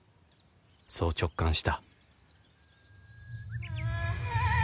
そう直感した